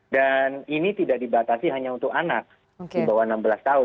dan ini tidak dibatasi hanya untuk anak di bawah enam belas tahun